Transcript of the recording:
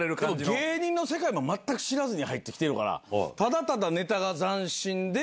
芸人の世界も全く知らずに入って来てるからただただ。